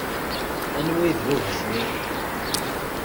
Anwa ay d baba-twen?